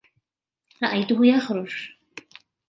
رأيته يخرج.